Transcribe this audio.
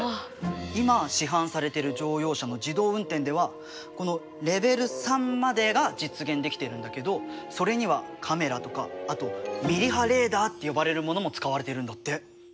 今市販されている乗用車の自動運転ではこのレベル３までが実現できているんだけどそれにはカメラとかあとミリ波レーダーって呼ばれるものも使われてるんだって。